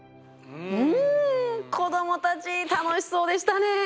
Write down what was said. うん子どもたち楽しそうでしたね。